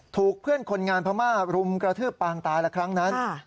ถูกเพื่อนคนงานพม่ารุมกระทืบปางตายละครั้งนั้น